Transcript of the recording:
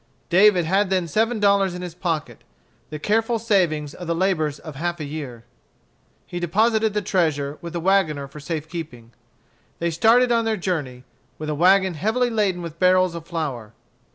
David had then seven dollars in his pocket, the careful savings of the labors of half a year. He deposited the treasure with the wagoner for safe keeping. They started on their journey, with a wagon heavily laden with barrels of flour.